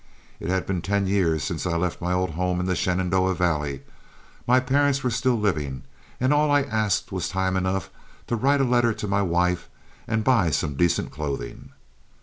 It had been ten years since I left my old home in the Shenandoah Valley, my parents were still living, and all I asked was time enough to write a letter to my wife, and buy some decent clothing.